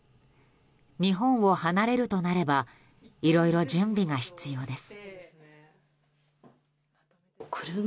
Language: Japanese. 日本を離れるとなればいろいろ準備が必要です。